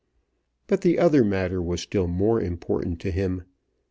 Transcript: But the other matter was still more important to him.